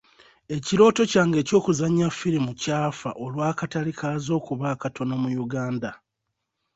Ekirooto kyange ey'okuzannya firimu ky'afa olw'akatale kaazo okuba akatono mu Uganda.